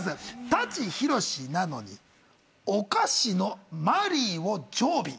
舘ひろしなのにお菓子のマリーを常備。